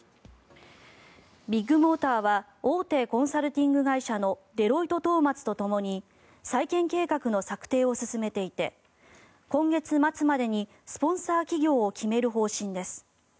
ビッグモーターは大手コンサルティング会社のデロイトトーマツとともに再建計画の策定を進めていて今月末までにスポンサー企業を決める方針です。